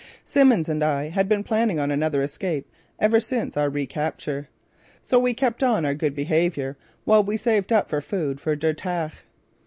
Simmons and I had been planning on another escape ever since our recapture. So we kept on our good behaviour, while we saved up food for Der Tag.